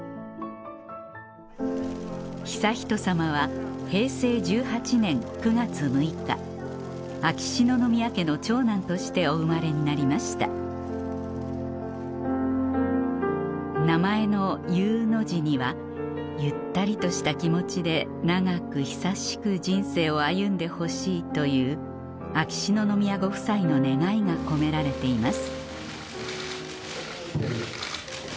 悠仁さまは平成１８年９月６日秋篠宮家の長男としてお生まれになりました名前の「悠」の字にはゆったりとした気持ちで長く久しく人生を歩んでほしいという秋篠宮ご夫妻の願いが込められています